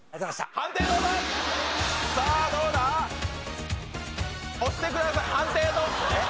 判定どうぞえっ？